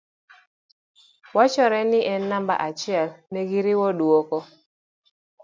wachore ni en gi namba achiel negiriwo duoko